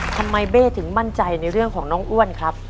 เบ้ถึงมั่นใจในเรื่องของน้องอ้วนครับ